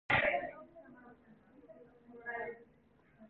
영숙은 자기 전 남편 철수를 박정한 사람이라고 하지는 못하였다.